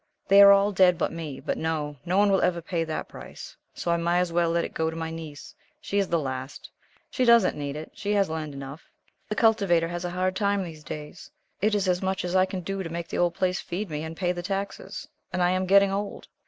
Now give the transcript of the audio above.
They are all dead but me. But no, no one will ever pay that price, so I may as well let it go to my niece. She is the last. She doesn't need it. She has land enough. The cultivator has a hard time these days. It is as much as I can do to make the old place feed me and pay the taxes, and I am getting old.